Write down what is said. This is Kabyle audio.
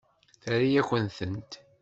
Terra-yakent-tent.